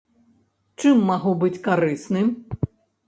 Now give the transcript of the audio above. Чым магу быць карысны?